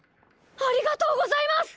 ありがとうございます！